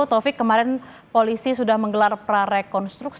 taufik kemarin polisi sudah menggelar prarekonstruksi